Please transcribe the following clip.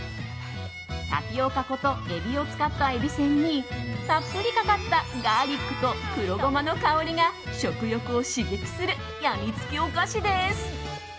タピオカ粉とエビを使ったエビせんにたっぷりかかったガーリックと黒コショウの香りが食欲を刺激するやみつきお菓子です。